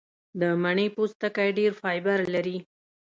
د مڼې پوستکی ډېر فایبر لري.